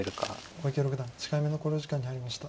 小池六段８回目の考慮時間に入りました。